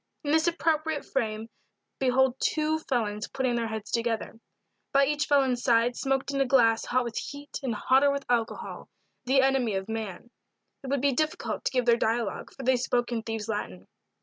In this appropriate frame behold two felons putting their heads together. By each felon's side smoked in a glass hot with heat and hotter with alcohol, the enemy of man. It would be difficult to give their dialogue, for they spoke in thieves' Latin.